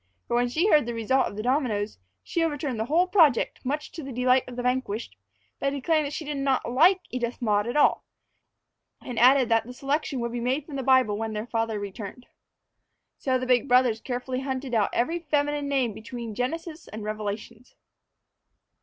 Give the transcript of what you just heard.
For when she heard the result of the dominoes, she overturned the whole project, much to the delight of the vanquished, by declaring that she did not like Edith Maud at all; and added that the selection would be made from the Bible when their father returned. So the big brothers carefully hunted out every feminine name between Genesis and Revelations.